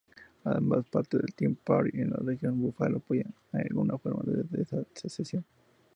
Ambas partes del Tea Party en la región Buffalo apoyan alguna forma de secesión.